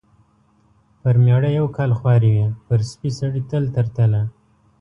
پر مېړه یو کال خواري وي ، پر سپي سړي تل تر تله .